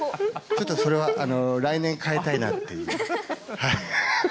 ちょっとそれは来年変えたいなっていう。